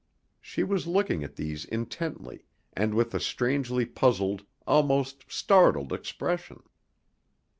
She was looking at these intently, and with a strangely puzzled, almost startled expression.